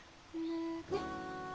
ねっ。